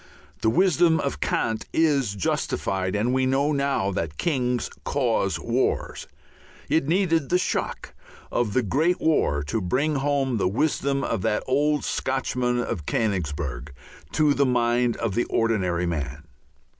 The wisdom of Kant is justified, and we know now that kings cause wars. It needed the shock of the great war to bring home the wisdom of that old Scotchman of Königsberg to the mind of the ordinary man.